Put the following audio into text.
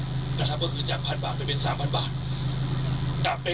ก็คือจากเป็น๓พันบาท